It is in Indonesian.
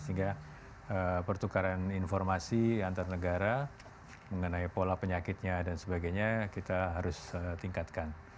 sehingga pertukaran informasi antar negara mengenai pola penyakitnya dan sebagainya kita harus tingkatkan